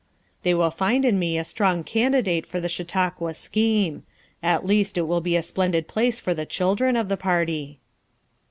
They will find in me a strong candidate for the Chautauqua scheme; at least it will be a splendid place for the children of the party."